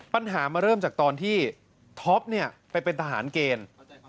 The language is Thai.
ปัญหามาเริ่มจากตอนที่ท็อปไปเป็นทหารเกณฑ์